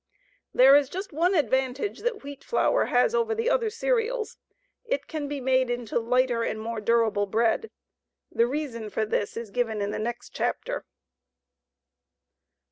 There is just one advantage that wheat flour has over the other cereals it can be made into lighter and more durable bread. The reason for this is given in the next chapter.